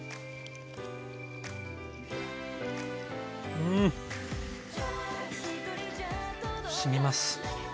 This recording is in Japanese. うん！しみます。